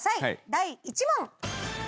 第１問。